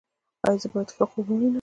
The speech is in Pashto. ایا زه باید ښه خوب ووینم؟